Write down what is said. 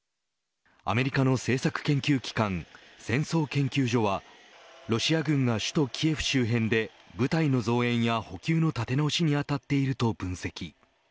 アメリカの政策研究機関戦争研究所はロシア軍が首都キエフ周辺で部隊の増援や補給の立て直しに当たっていると分析。